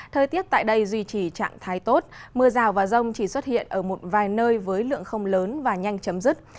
thời tiết tại đây duy trì trạng thái tốt mưa rào và rông chỉ xuất hiện ở một vài nơi với lượng không lớn và nhanh chấm dứt